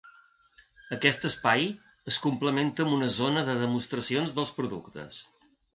Aquest espai es complementa amb una zona de demostracions dels productes.